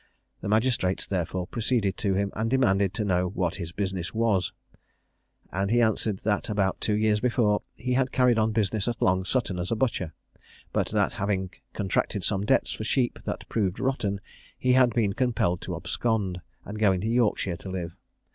The magistrates, therefore, proceeded to him, and demanded to know what his business was; and he answered, that about two years before, he had carried on business at Long Sutton as a butcher, but that having contracted some debts for sheep that proved rotten, he had been compelled to abscond, and to go into Yorkshire to live.